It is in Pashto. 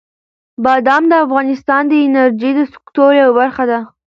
بادام د افغانستان د انرژۍ د سکتور یوه برخه ده.